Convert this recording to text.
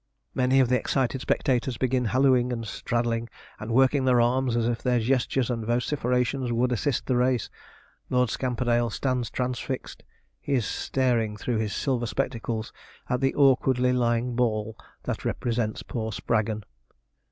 Many of the excited spectators begin hallooing, and straddling, and working their arms as if their gestures and vociferations would assist the race. Lord Scamperdale stands transfixed. He is staring through his silver spectacles at the awkwardly lying ball that represents poor Spraggon.